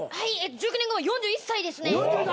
１９年後４１歳ですね。